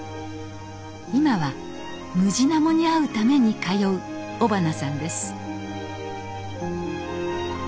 今はムジナモに会うために通う尾花さんです。